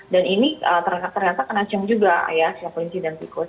dan ini ternyata kena ciong juga ya show kelingki dan tikus